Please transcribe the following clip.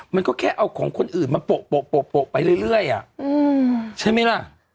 มันก็แค่เอาของคนอื่นมาโปะไปเรื่อยใช่ไหมล่ะ